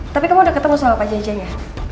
tapi kamu udah ketemu soal pak jajeng ya